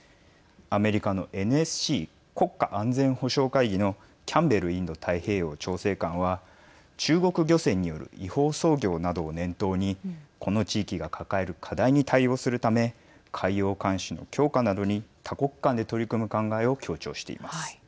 アメリカのＮＳＣ＝国家安全保障会議のキャンベル・インド太平洋調整官は中国漁船による違法操業などを念頭にこの地域が抱える課題に対応するため海洋監視の強化などに多国間で取り組む考えを強調しています。